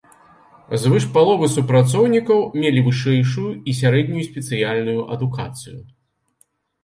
Звыш паловы супрацоўнікаў мелі вышэйшую і сярэднюю спецыяльную адукацыю.